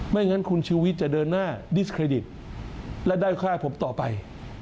ไม่งั้นคุณชีวิตจะเดินหน้าดิสเครดิตและได้ฆ่าผมต่อไป